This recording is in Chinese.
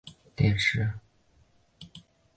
我自己处理好了